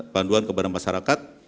panduan kepada masyarakat